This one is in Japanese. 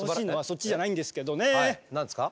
何ですか？